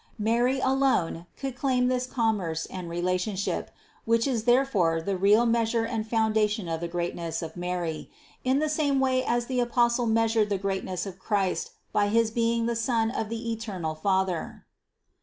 Mary alone could claim this commerce and relationship, which is there fore the real measure and foundation of the greatness of Mary, in the same way as the Apostle measured the greatness of Christ by his being the Son of the eternal Father.